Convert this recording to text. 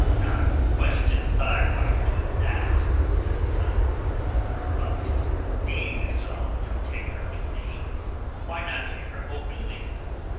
"None questions thy right to that," said Asad. "But being resolved to take her with thee, why not take her openly?